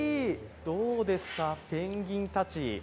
どうですか、ペンギンたち。